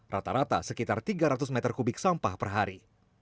rata rata sekitar tiga ratus meter kubik sampah per hari